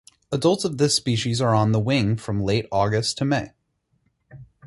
Adults of this species are on the wing from late August to May.